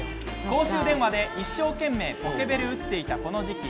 公衆電話で一生懸命ポケベル打っていた、この時期。